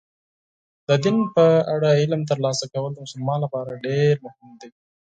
د دین په اړه علم ترلاسه کول د مسلمان لپاره ډېر مهم دي.